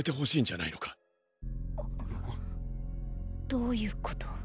どういうこと？